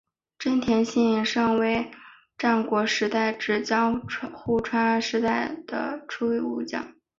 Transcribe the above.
真田信胜为战国时代至江户时代初期武将。